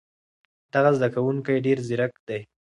دغه زده کوونکی ډېر ځیرک دی.